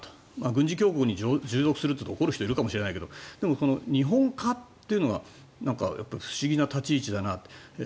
軍事強国に従属するというと怒る人いるかもしれないけどでも、日本化というのは不思議な立ち位置だなって。